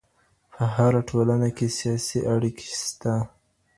په هر ټولنه کي سياسي اړيکي سته.